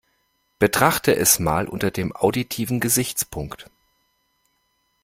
Betrachte es mal unter dem auditiven Gesichtspunkt.